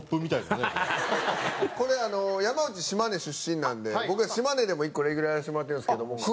これ山内島根出身なんで僕ら島根でも１個レギュラーやらせてもらってるんですけども。